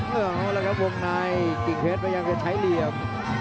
เหงาแล้วครับวงในกิ้งเทศพยายามจะใช้เหลี่ยม